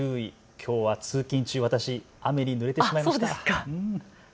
きょうは通勤中、私、雨にぬれてしまいました。